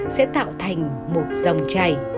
sẽ tạo thành một dòng chảy